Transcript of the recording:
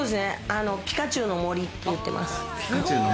ピカチュウの森って言ってます。